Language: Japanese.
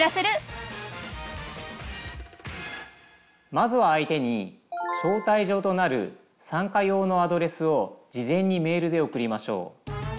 まずは相手に招待状となる参加用のアドレスを事前にメールで送りましょう。